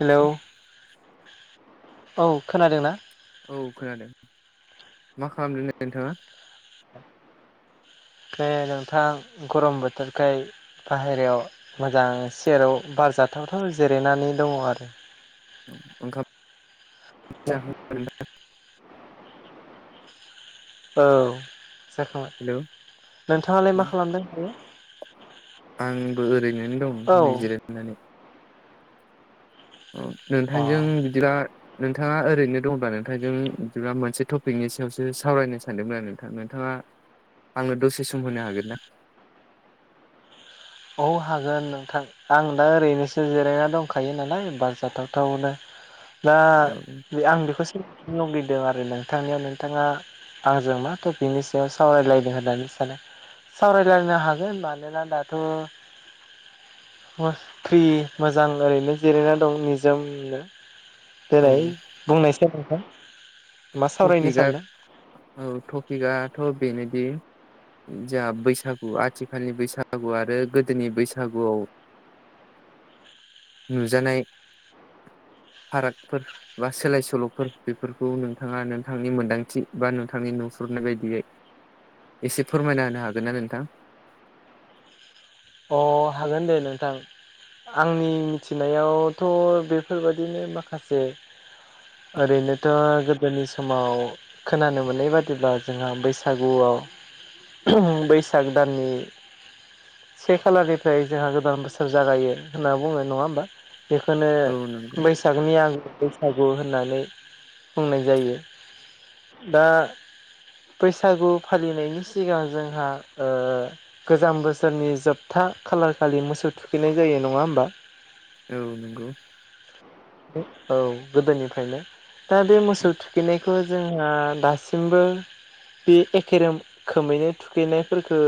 Hello, औ खोनादों ना? औ खोनादों, मा खालामदों दायो नोंथाङा? ए नोंथां गरम बोथोरखाय बाहेरायाव मोजां सियाराव बार जाथावथाव जिरायनानै दङ आरो। ओंखाम द [inaudible] जाखांबाय औ जाखांबाय। हेल' नोंथाङालाय मा खालामदों दायो? आंबो ओरैनो दं औ नोंथां नै जिरायनानै। अ नोंथांजों बिदिब्ला नोंथाङा ओरैनो दंब्ला नोंथांजों इदिबा मोनसे टपिकनि सायावसो सावरायनो सानदोंमोन आरो नोंथां नोंथाङा। आंनो दसे सम होनो हागोन ना? औ हागोन नोंथां। आं दा ओरैनोसो जिरायना दंखायो नालाय बार जाथावथावनो दा। औ बे आं बेखौ सोंनो लुगैदों आरो नोंथांनियाव नोंथाङा। आंजों मा टपिकनि सायाव सावरायलायदों होननानै सानो। सावरायलायनो हागोन मानोना दाथ'। फ्रि मोजां ओरैनो जिरायना दं निजोमनो। औ देलाय बुंनायसाय नोंथां। मा सावरायनो टपिकआ सानदों? औ टपिकआथ' बेनोदि जों बैसागु आथिखालनि बैसागु आरो गोदोनि बैसागुआव नुजानाय फारागफोर बा सोलाय सोल'फोर बेफोरखौ नों नोंथाङा नोंथांनि मोन्दांथि बा नोंथांनि नुसुरनाय बायदियै एसे फोरमायना होनो हागोन ना नोंथां? अ हागोन दे नोंथां। आंनि मिथिनायावथ' बेफोरबादिनो माखासे ओरैनोथ' गोदोनि समाव खोनानो मोननाय बादिब्ला जोंहा बैसागुआव बैसाग दाननि से खालारनिफ्राय जोंहा गोदान बोसोर जागायो होनना बुङो। नङा होमबा? बेखौनो औ नंगौ बैसागनि आगो बैसागु होननानै बुंनाय जायो। दा बैसागु फालिनायनि सिगां जोंहा गोजाम बोसोरनि जोबथा खालार खालि मोसौ थुखैनाय जायो नङा होमबा? औ नंगौ। औ गोदोनिफ्रायनो दा बे मोसौ थुखैनायखौ जोंहा दासिमबो बे एखे रोखोमैनो थुखैनायफोरखौ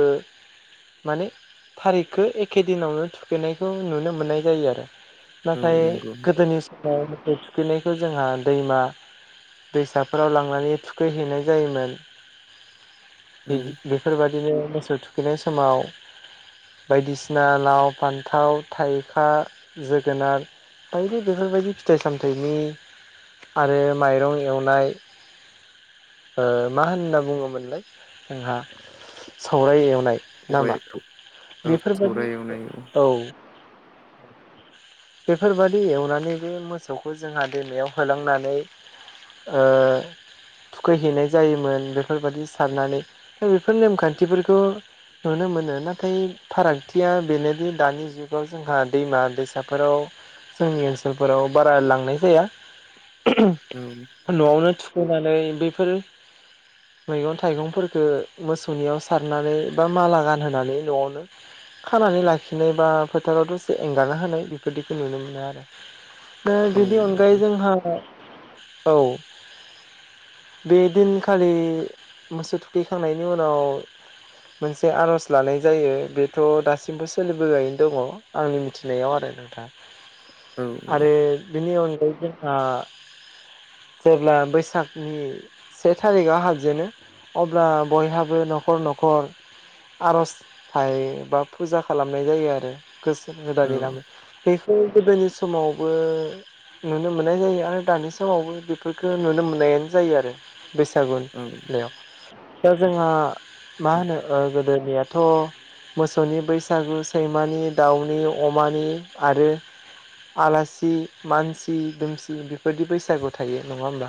माने थारिखखौ एखे दिनावनो थुखैनायखौ नुनो मोननाय जायो आरो औ नाथाय नंगौ गोदोनि समाव मोसौ थुखैनायखौ जोंहा दैमा दैसाफोराव लांनानै थुखैहैनाय जायोमोन। औ बेफोरबायदिनो मोसौ थुखैनाय समाव बायदिसिना लाव फान्थाव थाइखा जोगोनार बायदि बेफोरबायदि फिथाइ सामथायाइनि आरो माइरं एवनाय ओक्षमा होनना बुङोमोनलाय जोंहा सावराय एवनाय खबाइ नामा औ बेफोरबायदि सौराय एवनाय औ बेफोरबायादि एवनानै बे मोसौखौ जोंहा दैमायाव होलांनानै ओ थुखैहैनाय जायोमोन बेफोरबायदि साननानै दा बेफोर नेम खान्थिफोरखौ नुनो मोनो नाथाय फारागथिया बेनोदि दानि जुगाव जोंहा दैमा दैसा बेफोराव जोंनि ओनसोलफोराव बारा लांनाय जाया औ। न'आवनो थुखैनानै बेफोर मैगं थाइगंफोरखो मोसौनियाव सारनानै बा माला गानहोनानै न'आवनो खानानै लाखिनो बा फोथाराव दसे एंगारना होनाय बे बिदिखौ नुनो मोनो आरो दा औ बिनि अनगायै नंगौ जोंहा औ बे दिनखालि मोसौ थुखैखांनायनि उनाव मोनसे आर'ज लानाय जायो बेथ' दासिमबो सोलिबोगासिनो दङ आंनि मिथिनायाव आरो। औ आरो बेनि अनगायै जोंहा जेब्ला बैसागनि से थारिखआव हाबजेनो अब्ला बयहाबो न'खर न'खर आर'ज थायबा फुजा खालामनाय जायो आरो बोसोर औ गोदाननि नामै बेफोर गोदोनि समावबो नुनो मोननाय जायो आरो दानि समावबो बेफोरफोरखो नुनो मोननायानो जायो आरो। बैसागुनि औ बेलायाव दा जोंहा मा होनो गोदोनियाथ' मोसौनि बैसागु सैमानि दाउनि अमानि आरो आलासि मानसि दुमसि बेफोरदि बैसागु थायो नङा होमबा।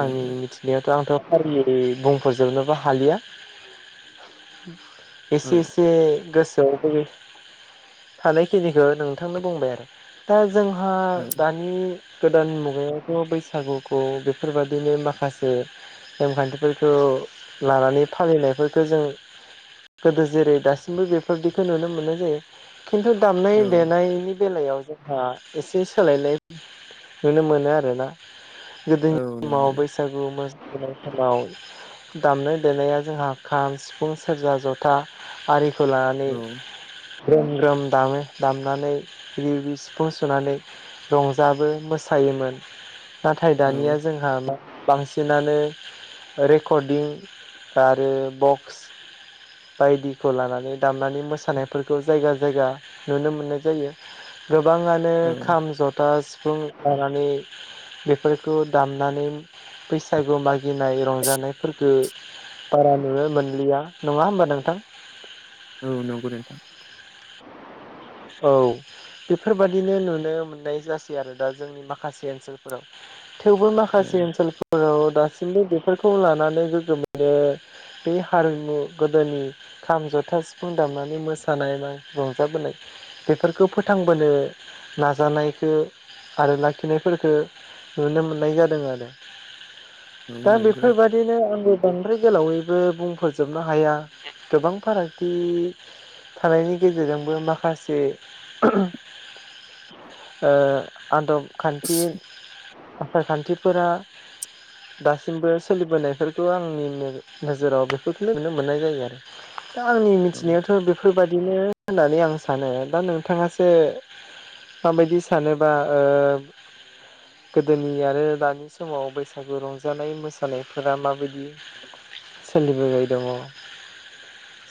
आंनि मिथिनायाथ' आंथ' फारि बुंफोरजोबनोबा हालिया औ एसे ए बे गोसोनि थानायखिनिखो नोंथांनो बुंबाय आरो। दा जोंहा औ दानि गोदान मुगायावथ' बैसागुखौ बेफोरबायदिनो माखासे नेमखान्थिफोरखौ लानानै फालिनायफोरखो जों गोदो जेरै दासिमबो बेफोरदिखौ नुनो मोननाय जायो खिन्थु दामनाय नि बेलायाव जोंहा एसे सोलायनाय नुनो मोनो आरोना। गोदोनि औ समाव नंगौ बैसागु मोसानाय समाव दामनाय देनाया जोंहा खाम सिफुं सेरजा जथा आरिखौ लानानै औ ग्रोम ग्रोम दामो। दामनानै रिउ-रिउ सिफुं सुनानै रंजाबो मोसायोमोन। नाथाय दानिया औ जों जोंहा बांसिनानो रेकरडिं आरो बक्स बायदिखौ लानानै दामनानै मोसानायफोरखौ जायगा जायगा नुनो मोननाय जायो गोबाङानो औ खाम जथा सिफुं लानानै बेफोरखौ दामनानै बैसागु मागिनाय रंजानायफोरखो बारा नुनो मोनलिया नङा होमबा नोंथां। औ नंगौ दे नोंथां औ बेफोरबायादिनो नुनो मोननाय जासै आरो दा जोंनि माखासे ओनसोलफोराव। थेवबो औ माखासे ओनसोलफोराव दासिमबो बेफोरखौ लानानै गोगोमयैनो बे हारिमु गोदोनि खाम जथा सिफुं दामनानै मोसानाय मा रंजाबोनाय। बेफोरखौ फोथांबोनो नाजानायखौ आरो लाखिनायफोरखो नुनो मोननाय जादों आरो। [inaudible] दा नंगौ बेफोरबा दिनो आंबो बांद्राय गोलावैबो बुंफजोबनो हाया गोबां फारागथि थानायनि गेजेरजोंबो माखासे ओ आदब खान्थि आसार खान्थिफोरा दासिमबो सोलिबोनायफोरखौ आंनि नोजोराव बेफोरखो नुनो मोननाय जायो आरो। दा आंनि औ मिथिनायावथ' बेफोरबादिनो होननानै आं सानो दा नोंथाङासो माबायदि सानोबा ओ गोदोनि आरो दानि समाव बैसागु रंजानाय मोसानायफोरा माबायदि सोलिबोबाय दङ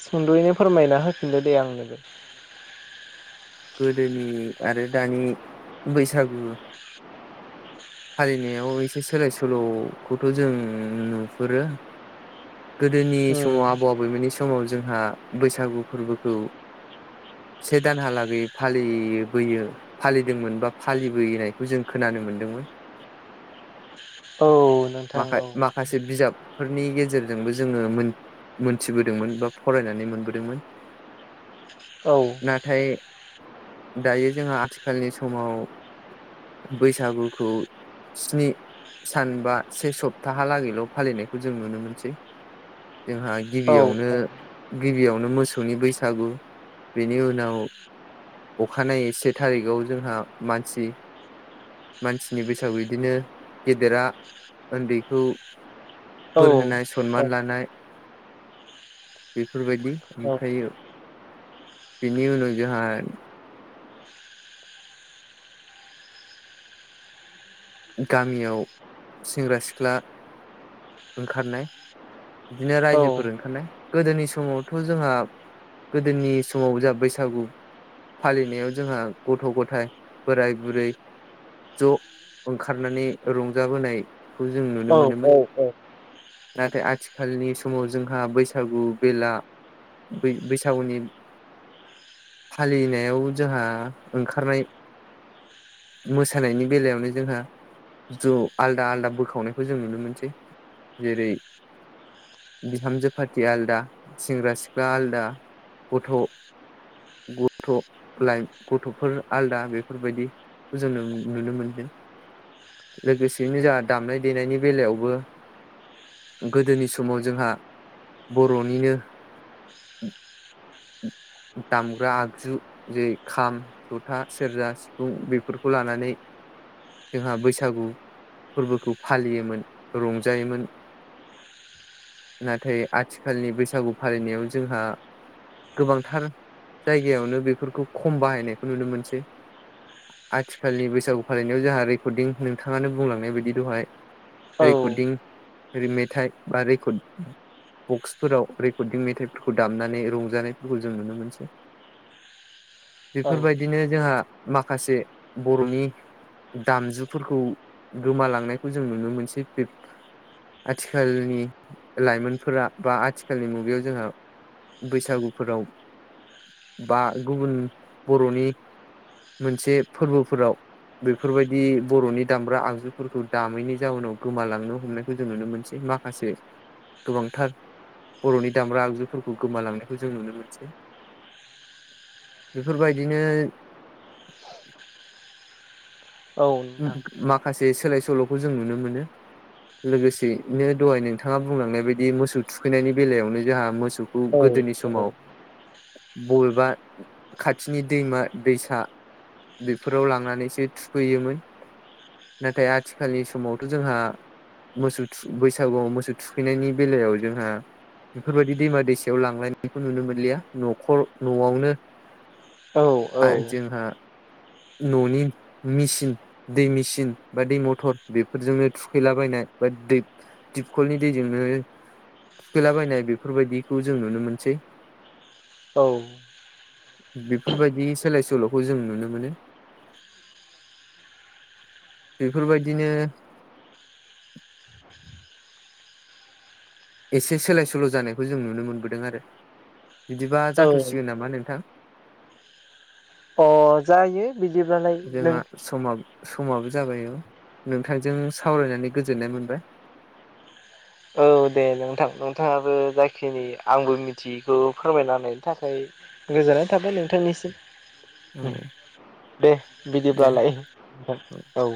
सुंद'यैनो फोरमायना होफिनदो दे आंनोबो गोदोनि आरो दानि बैसागु फालिनायाव एसे सोलाय सोल'खौथ' जों नुहुरो गोदोनि उम समाव आबौ आबैमोननि समाव जोंहा बैसागु फोरबोखौ से दानहालागै फालिबोयो फालिदोंमोन बा फालिबोनायखौ जों खोनानो मोन्दोंमोन औ नोंथां औ खासे बिजाबफोरनि गेजेरजोंबो जोङो मोन मोनथिबोदोंमोन बा फरायनानै मोनबोदोंमोन। औ नाथाय दायो जोंहा आथिखालनि समाव बैसागुखौ स्नि सान बा से सप्ताहालागैल' फालिनायखौ जों नुनो मोनसै जोंहा औ गिबियावनो गिबियावनो मोसौनि बैसागु बेनि उनाव अखानायै से थारिखआव जोंहा मानसि मानसिनि बैस बिदिनो गेदेरा उन्दैखौ औ बोर होनाय सन्मान लानाय बेफोरबायदि औ ओमफ्रायो बिनि उनाव जोंहा गामियाव सेंग्रा सिख्ला ओंखारनाय बिदिनो रायजोफोर ओंखारनाय गोदोनि समावथ' जोंहा गोदोनि समाव जोंहा बैसागु फालिनायाव जोंहा गथ' गथाय बोराय बुरै ज' ओंखारनानै रंजाबोनायखौ जों नुनो मोनोमोन। औ नाथाय आथिखालनि समाव जोंहा बैसागु बेला बै-बैसागुनि फालिनायाव जोंहा ओंखारनाय मोसानायनि बेलायावनो जोंहा ज' आलदा आलदा बोखावनायखौ जों नुनो मोनसै जेरै बिहामजो फारथि आलादा सेंग्रा सिख्ला आलदा गथ' गथ' लाइ गथ'फोर आलदा बेफोरबायदि जोङो नुनो मोनदों लोगोसेनो जोंहा दामनाय देनायनि बेलायावबो गोदोनि समाव जोंहा बर'निनो दामग्रा आगजु जे खाम जथा सेरजा सिफुं बेफोरखौ लानानै जोंहा बैसागु फोरबोखौ फालियोमोन रंजायोमोन नाथाय आथिखालनि बैसागु फालिनायाव जोंहा गोबांथार जायगायावनो बेफोरखौ खम बाहायनायखौ नुनो मोनसै आथिखालनि बैसागु फालिनायाव जोंहा रेकर्डिं नोंथाङानो बुंलांनाय बायदि दहाय औ रेकर्डिं रै मेथाइ बा रेकर्ड बक्सफोराव रेकर्दिं मेथाइफोरखौ दामनानै रंजानाय फोरखौ जों नुनो मोनसै बेफोरबायदिनो जोंहा माखासे बर'नि दामजुफोरखौ गोमालांनायखौ जों नुनो मोनसै आथिखालनि लाइमोनफोरा बा आथिखालनि मुगायाव जोंहा बैसागुफोराव बा गुबुन बर'नि मोनसे फोरबोफोराव बेफोरबायदि बरनि दामग्रा आगजुफोरखौ दामैनि जाउनाव गोमालांनो हमनायखौ जों नुनो मोनसै मा माखासे गोबांथार बर'नि दामग्रा आगजुफोरखौ गोमालांनायखौ जों नुनो मोनसै बेफोरबायदिनो औ नोंथां माखासे सोलाय सोलखौ जों नुनो मोनो लोगोसेैनो दहाय नोंथाङा बुंलांनाय बायदि मोसौ थुखैनायनि बेलायावनो जोंहा मोसौ औ गोदोनि औ समाव बबेबा खाथिनि दैमा दैसा बेफोराव लांनानैसो थुखैयोमोन नाथाय आथिखालनि समावथ जोंहा मोसौ बैसागुआव मोसौ थुखैनायनि बेलायाव जोंहा बेफोरबायदि दैमा दैसायाव लांयनायखौ नुनो मोनलिया नखर नआवनो औ औ जोंहा ननि मिसिन दै मेसिन बा दै मथर बेफोरजोंनो थुखैलाबायनाय बा दै दिपखलनि दैजोंनो थुखैलाबायनाय बेफोरबायदिखौ जों नुनो मोनसै औ बेफोरबायदि सोलाय सोल'खौ जों नुनो मोनो बेफोरबायदिनो एसे सोलाय सोल जानायखौ जों नुनो मोनबोदों आरो बिदिबा औ जाथ'सिगोन नामा नोंथां अ जायो बिदिब्लालाय जोंहा नों समा समाबो जाबाय नोंथांजों सावरायनानै गोजोननाय मोनबाय औ दे नोंथां नोंथाङाबो जाखिनि आंबो मिथियैखौ फोरमायनानि थाखाय गोजोननाय थाबाय नोंथांनिसिम औ दे दे बिदिब्लालाय औ